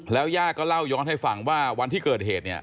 ย่าก็เล่าย้อนให้ฟังว่าวันที่เกิดเหตุเนี่ย